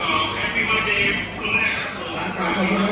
อายุเท่าสมบูรณ์